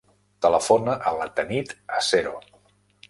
Telefona a la Tanit Acero.